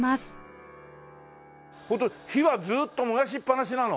火はずっと燃やしっぱなしなの？